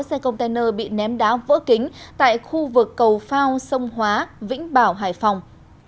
xe container bị ném đá vỡ kính tại khu vực cầu phao sông hóa vĩnh bảo hải phòng